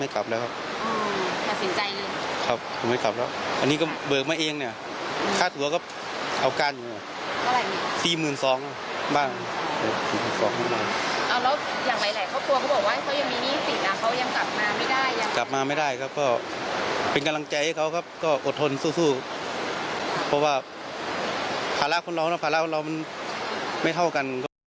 คนสู้เพราะว่าภาระของเราไม่เท่ากัน